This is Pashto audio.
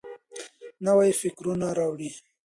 نوي فکرونه راوړئ.